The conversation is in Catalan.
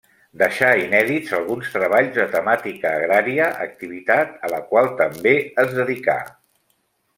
Deixà inèdits alguns treballs de temàtica agrària, activitat a la qual també es dedicà.